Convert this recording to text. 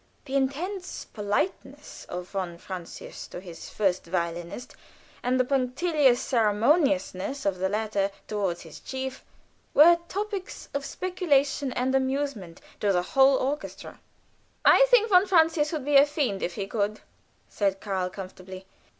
The intense politeness of von Francius to his first violinist, and the punctilious ceremoniousness of the latter toward his chief, were topics of speculation and amusement to the whole orchestra. "I think von Francius would be a fiend if he could," said Karl, comfortably.